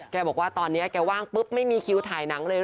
บอกว่าตอนนี้แกว่างปุ๊บไม่มีคิวถ่ายหนังเลย